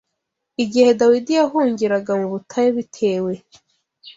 Igihe Dawidi yahungiraga mu butayu bitewe